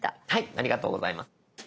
ありがとうございます。